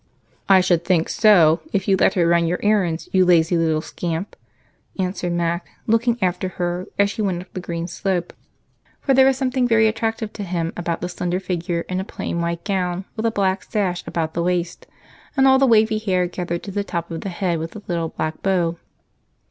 "I should think so, if you let her run your errands, you lazy little scamp," answered Mac, looking after her as she went up the green slope, for there was something very attractive to him about the slender figure in a plain white gown with a black sash about the waist and all the wavy hair gathered to the top of the head with a little black bow.